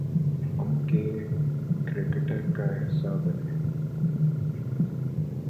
ان کے کریکٹر کا حصہ بنیں۔